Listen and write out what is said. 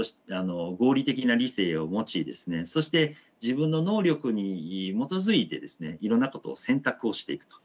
合理的な理性を持ちそして自分の能力に基づいてですねいろんなことを選択をしていくと。